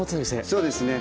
そうですね。